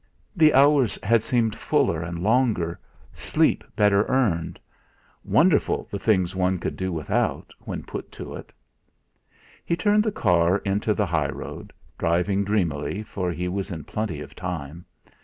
The hours had seemed fuller and longer, sleep better earned wonderful, the things one could do without when put to it! He turned the car into the high road, driving dreamily for he was in plenty of time.